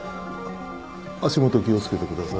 足元気を付けてください。